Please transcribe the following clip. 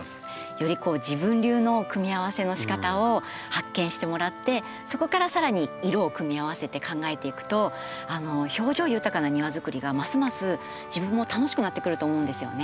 より自分流の組み合わせのしかたを発見してもらってそこからさらに色を組み合わせて考えていくと表情豊かな庭づくりがますます自分も楽しくなってくると思うんですよね。